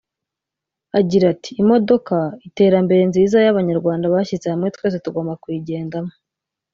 Agira ati “ Imodoka[iterambere] nziza y’Abanyarwanda bashyize hamwe twese tugomba kuyigendamo